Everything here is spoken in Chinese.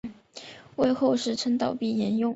为后世称道并沿用。